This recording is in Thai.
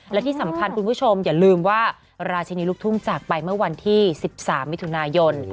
และที่สำคัญคุณผู้ชมอย่าลืมว่าราชินีลูกทุ่งจากไปเมื่อวันที่๑๓มิถุนายน